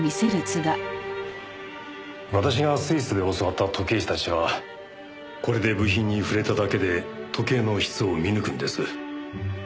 私がスイスで教わった時計師たちはこれで部品に触れただけで時計の質を見抜くんです。